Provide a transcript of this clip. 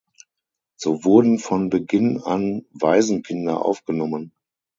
So wurden von Beginn an Waisenkinder aufgenommen.